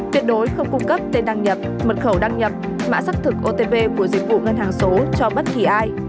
tuyệt đối không cung cấp tên đăng nhập mật khẩu đăng nhập mã xác thực otp của dịch vụ ngân hàng số cho bất kỳ ai